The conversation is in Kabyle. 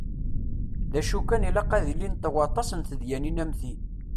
D acu kan ilaq ad ilint waṭas n tedyanin am ti.